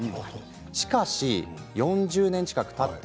しかし、４０年近くたった